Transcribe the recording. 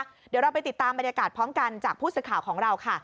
เดี๋ยวเราไปติดตามบรรยากาศพร้อมกันจากผู้สื่อข่าวของเราค่ะ